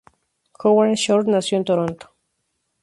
Howard Shore nació en Toronto.